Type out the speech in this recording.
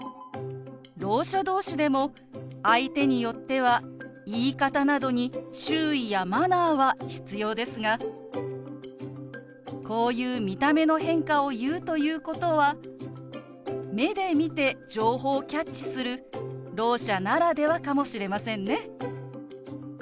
ろう者同士でも相手によっては言い方などに注意やマナーは必要ですがこういう見た目の変化を言うということは目で見て情報をキャッチするろう者ならではかもしれませんね。